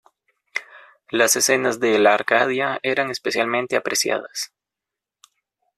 Las escenas de La Arcadia eran especialmente apreciadas.